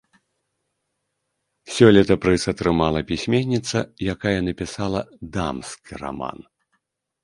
Сёлета прыз атрымала пісьменніца, якая напісала дамскі раман.